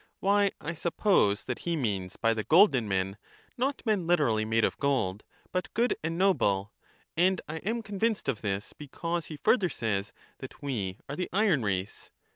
Why, I suppose that he means by the golden men, not men literally made of gold, but good and noble ; and I am convinced of this, because he further says that we are the iron race.